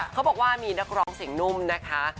เขาบอกว่ามีนักร้องเสียงนุ่มนะคะ